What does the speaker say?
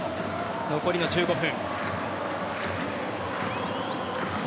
残りの１５分。